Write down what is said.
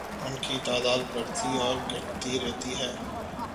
ان کی تعداد بڑھتی اور گھٹتی رہتی ہے